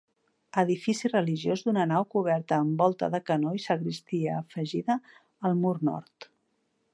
Edifici religiós d'una nau coberta amb volta de canó i sagristia afegida al mur nord.